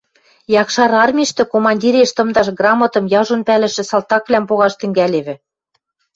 Якшар армиштӹ командиреш тымдаш грамотым яжон пӓлӹшӹ салтаквлӓм погаш тӹнгӓлевӹ.